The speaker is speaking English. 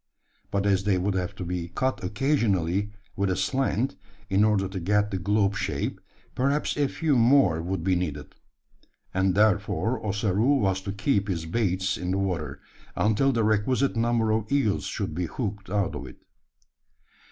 But as they would have to be cut occasionally with a slant, in order to get the globe shape, perhaps a few more would be needed; and therefore Ossaroo was to keep his baits in the water, until the requisite number of eels should be hooked out of it.